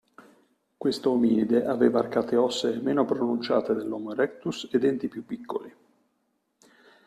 Questo ominide aveva arcate ossee meno pronunciate dell'Homo Erectus e denti più piccoli.